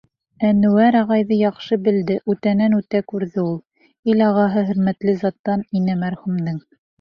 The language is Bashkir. Әнүәр ағайҙы яҡшы белде, үтәнән-үтә күрҙе ул. Ил ағаһы, хөрмәтле заттан ине мәрхүмең.